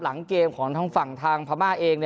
หลังเกมของทางฝั่งทางพม่าเอง